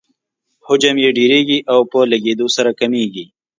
حجم یې ډیریږي او په لږیدو سره کمیږي.